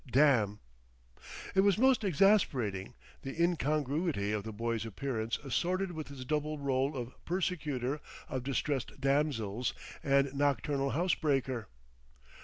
Damn!" It was most exasperating, the incongruity of the boy's appearance assorted with his double rôle of persecutor of distressed damsels and nocturnal house breaker!